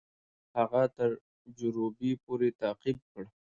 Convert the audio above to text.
هغه تر جروبي پوري تعقیب کړ.